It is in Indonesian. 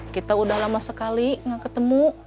kita udah lama sekali gak ketemu